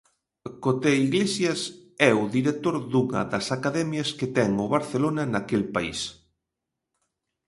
Cote Iglesias é o director dunha das academias que ten o Barcelona naquel país.